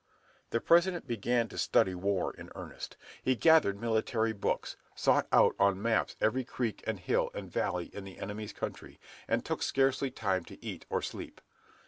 The President began to study war in earnest. He gathered military books, sought out on maps every creek and hill and valley in the enemy's country, and took scarcely time to eat or sleep.